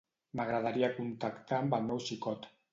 M'agradaria contactar amb el meu xicot.